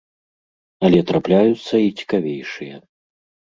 Але трапляюцца і цікавейшыя.